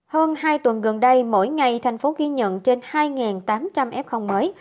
hơn hai tuần gần đây mỗi ngày thành phố ghi nhận trên hai tám trăm linh f mới